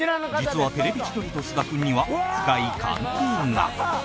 実は『テレビ千鳥』と菅田君には深い関係が